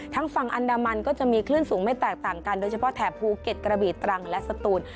ฝั่งอันดามันก็จะมีคลื่นสูงไม่แตกต่างกันโดยเฉพาะแถบภูเก็ตกระบีตรังและสตูน